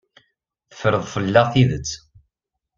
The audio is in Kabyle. Teffreḍ fell-aɣ tidet.